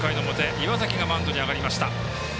岩崎がマウンドに上がりました。